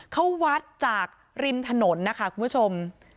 เขาวัดจากริมถนนนะคะคุณผู้ชม